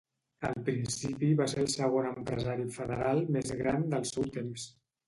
Al principi va ser el segon empresari federal més gran del seu temps.